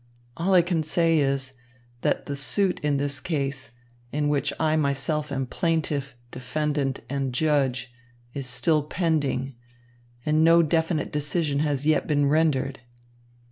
All I can say is, that the suit in this case, in which I myself am plaintiff, defendant and judge, is still pending, and no definite decision has yet been rendered.